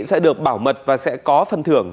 sẽ được bảo mật và sẽ có phân thưởng